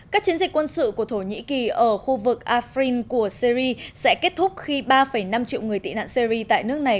các chiến dịch quân sự của thổ nhĩ kỳ ở khu vực alfren của syri sẽ kết thúc khi ba năm triệu người tị nạn syri tại nước này